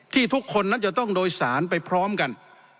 ทุกคนนั้นจะต้องโดยสารไปพร้อมกัน